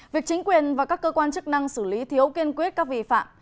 việc chính quyền và các cơ quan chức năng xử lý thiếu kiên quyết các vi phạm